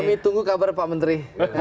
kami tunggu kabar pak menteri